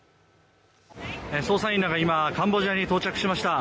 捜査員らが今、カンボジアに到着しました。